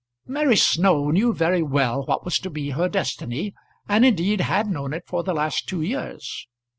Mary Snow knew very well what was to be her destiny, and indeed had known it for the last two years.